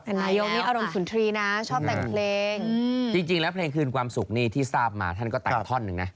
นายกนี่อารมณ์สุนทรีย์นะชอบแต่งเพลงจริงแล้วเพลงคืนความสุขนี่ที่ทราบมาท่านก็แต่งท่อนหนึ่งนะ